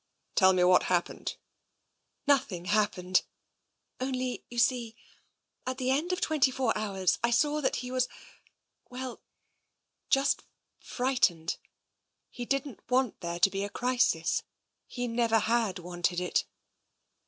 Tell me what happened." " Nothing happened. Only, you see, at the end of twenty four hours I saw that he was — well, just frightened. He didn't want there to be a crisis. He never had wanted it."